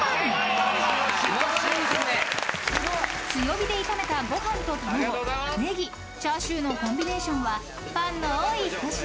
［強火で炒めたご飯と卵ネギチャーシューのコンビネーションはファンの多い一品］